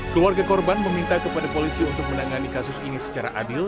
keluarga korban meminta kepada polisi untuk menangani kasus ini secara adil